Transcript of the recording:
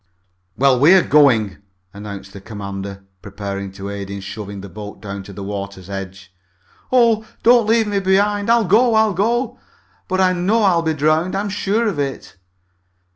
"Well, we're going," announced the commander, preparing to aid in shoving the boat down to the water's edge. "Oh! Don't leave me behind! I'll go! I'll go! But I know I'll be drowned! I'm sure of it!"